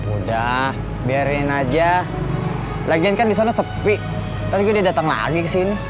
udah biarin aja lagian kan di sana sepi nanti gue udah datang lagi kesini